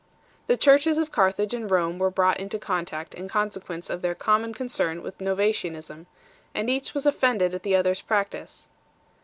The Churches of Carthage and Rome were brought into contact in consequence of their common concern with Novatianism, and each was offended at the other s practice.